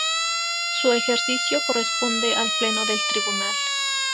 Su ejercicio corresponde al Pleno del Tribunal.